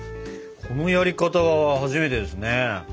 このやり方は初めてですね。